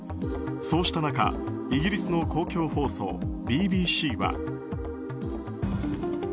そうした中イギリスの公共放送ＢＢＣは。